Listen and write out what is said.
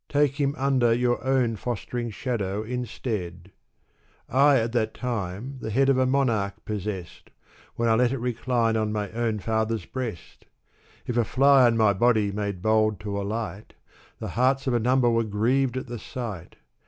Take him under your own fostering shadow instead I I at that time the head of a monarch possessed. When I let it recline on my own father's breast ; If a fly on my body made bold to alight. The hearts of a number were grieved at the sight.